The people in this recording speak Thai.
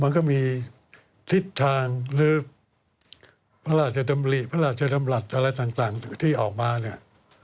มันก็มีทิศทางหรือพระราชดำริพระราชดำรัฐอะไรต่างที่ออกมาเนี่ย